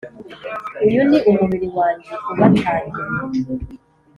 Uyu niumubiri wanjye ubatangiwe.